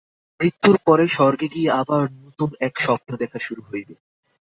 মৃত্যুর পর স্বর্গে গিয়া আবার নূতন এক স্বপ্ন দেখা শুরু হইবে।